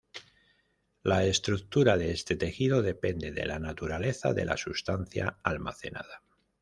La estructura de este tejido depende de la naturaleza de la sustancia almacenada.